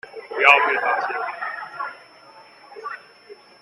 不要被發現